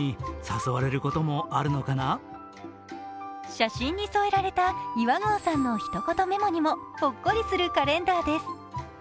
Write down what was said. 写真に添えられた岩合さんの一言目もにもほっこりするカレンダーです。